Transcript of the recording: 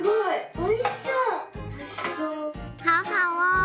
おいしそう」。